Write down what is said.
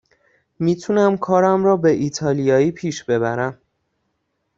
می تونم کارم را به ایتالیایی پیش ببرم.